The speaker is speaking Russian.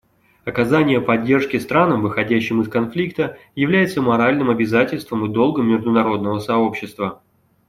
Оказание поддержки странам, выходящим из конфликта, является моральным обязательством и долгом международного сообщества.